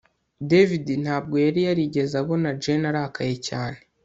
David ntabwo yari yarigeze abona Jane arakaye cyane